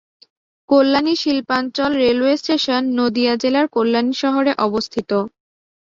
কল্যাণী শিল্পাঞ্চল railway station Nadia জেলার কল্যাণী শহরে অবস্থিত।